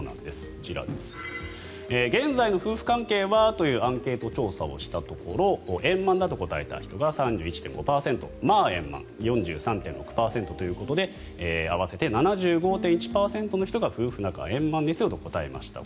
こちら、現在の夫婦関係はというアンケート調査をしたところ円満だと答えた人が３１．５％まあ円満４３．６％ということで合わせて７５．１％の人が夫婦仲、円満ですよと答えました。